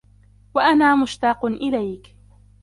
وأنا مشتاق إليك.